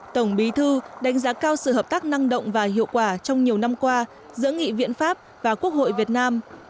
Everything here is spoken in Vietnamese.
tổng bí thư đánh giá cao sự hợp tác năng động và hiệu quả trong nhiều năm qua giữa nghị viện pháp và quốc hội việt nam